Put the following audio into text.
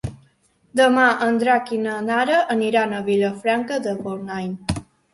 Demà en Drac i na Nara aniran a Vilafranca de Bonany.